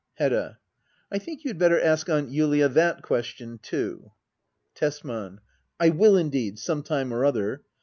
Hedda. I think you had better ask Aunt Julia that ques tion too. Tesman. I will indeed, some time or other.